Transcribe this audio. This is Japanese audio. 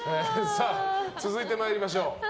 続いて参りましょう。